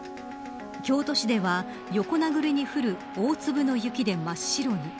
京都市では横殴りに降る大粒の雪で真っ白に。